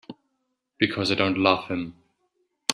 Because I don't love him.